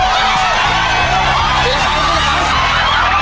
ขอบคุณครับ